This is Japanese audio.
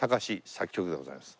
作曲でございます。